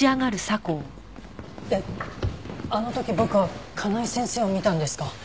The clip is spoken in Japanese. えっあの時僕は香奈枝先生を見たんですか？